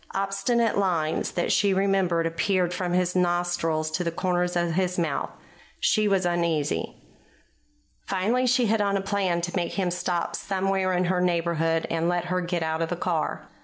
Obstinate lines that she remembered appeared from his nostrils to the corners of his mouth. She was uneasy. Finally she hit on a plan to make him stop somewhere in her neighborhood and let her get out of the car.